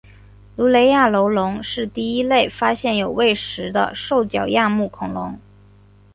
卢雷亚楼龙是第一类发现有胃石的兽脚亚目恐龙。